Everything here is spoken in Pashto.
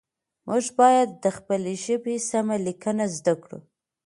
موږ باید د خپلې ژبې سمه لیکنه زده کړو